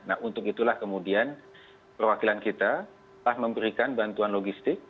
nah untuk itulah kemudian perwakilan kita telah memberikan bantuan logistik